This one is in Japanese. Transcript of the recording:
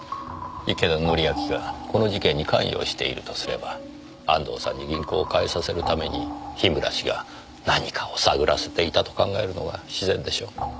池田典昭がこの事件に関与しているとすれば安藤さんに銀行を変えさせるために樋村氏が何かを探らせていたと考えるのが自然でしょう。